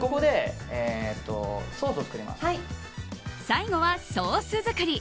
最後はソース作り。